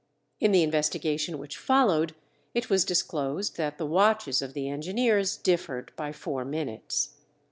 In the investigation which followed, it was disclosed that the watches of the engineers differed by four minutes.